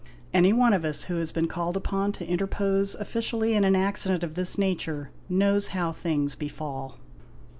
Any one of us who has been called upon to interpose officially in an accident of this nature, knows how things befall.